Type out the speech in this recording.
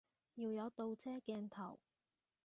要有倒車鏡頭